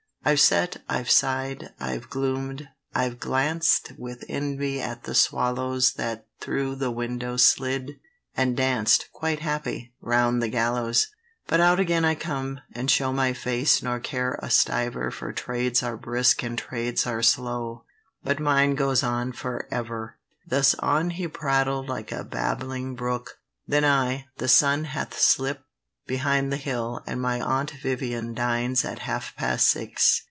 "I've sat, I've sigh'd, I've gloom'd, I've glanced With envy at the swallows That through the window slid, and danced (Quite happy) round the gallows; "But out again I come, and show My face nor care a stiver For trades are brisk and trades are slow, But mine goes on for ever." Thus on he prattled like a babbling brook. Then I, "The sun hath slipt behind the hill, And my aunt Vivian dines at half past six."